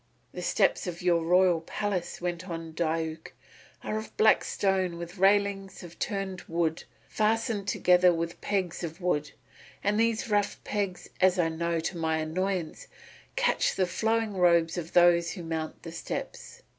"The steps of your royal palace," went on Diuk, "are of black stone with railings of turned wood fastened together with pegs of wood, and these rough pegs, as I know to my annoyance, catch the flowing robes of those who mount the steps.